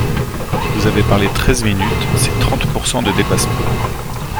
Vous avez parlé treize minutes, c’est trente pourcent de dépassement